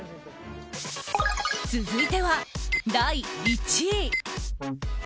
続いては第１位。